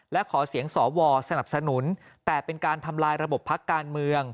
และขอเสียงสวสนับสนุนแต่เป็นการทำลายระบบพักการเมือง